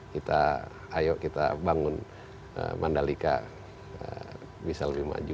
kita ayo kita bangun mandalika bisa lebih maju